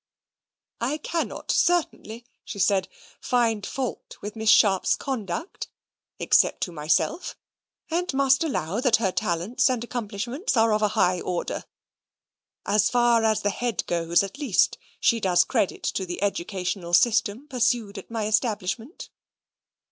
"I cannot, certainly," she said, "find fault with Miss Sharp's conduct, except to myself; and must allow that her talents and accomplishments are of a high order. As far as the head goes, at least, she does credit to the educational system pursued at my establishment."